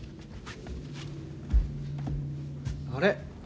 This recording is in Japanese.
あれ？